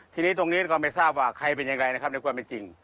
ทีนี้ตรงนี้ก็ไม่ทราบว่าใครเป็นยังไงนะครับในความเป็นจริง